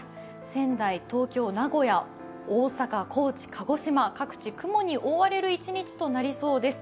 仙台、東京、名古屋、大阪、高知、鹿児島、各地、雲に覆われる一日となりそうです。